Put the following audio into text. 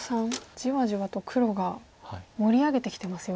じわじわと黒が盛り上げてきてますよ。